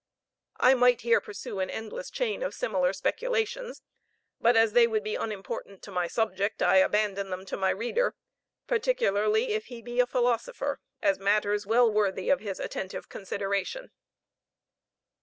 I might here pursue an endless chain of similar speculations; but as they would be unimportant to my subject, I abandon them to my reader, particularly if he be a philosopher, as matters well worthy of his attentive consideration.